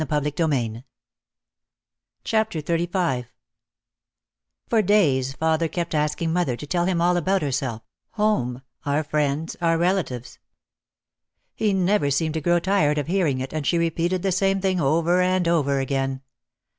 PART THREE PART THREE XXXV For days father kept asking mother to tell him about herself, home, our friends, and relatives. He never seemed to grow tired of hearing it and she repeated the same thing over and over again.